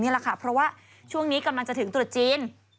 เพราะว่าช่วงนี้กำลังจะถึงตรวจจีน